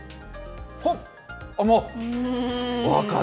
ほっ。